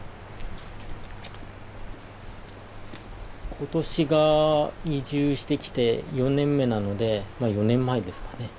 今年が移住してきて４年目なので４年前ですかね